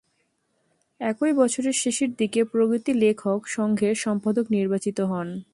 একই বছরের শেষের দিকে প্রগতি লেখক সংঘের সম্পাদক নির্বাচিত হন।